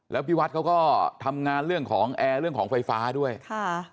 แล้วพี่วัดเขาก็ทำงานเรื่องของแอร์เรื่องของไฟฟ้าด้วยค่ะ